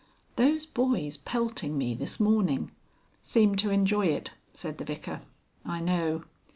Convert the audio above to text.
Those boys pelting me this morning " "Seemed to enjoy it," said the Vicar. "I know."